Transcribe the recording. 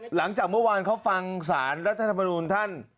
หลังจากเมื่อวานเขาฟังสารรัฐธรรมนูลท่าน